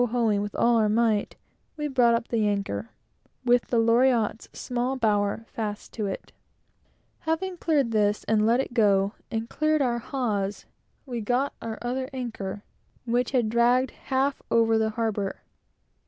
ing with all our might, we brought up an anchor, with the Loriotte's small bower fast to it, Having cleared this and let it go, and cleared our hawse, we soon got our other anchor, which had dragged half over the harbor.